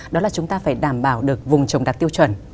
đó là chúng ta phải đảm bảo được vùng trồng đạt tiêu chuẩn